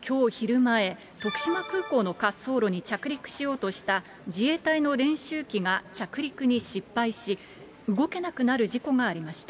きょう昼前、徳島空港の滑走路に着陸しようとした自衛隊の練習機が着陸に失敗し、動けなくなる事故がありました。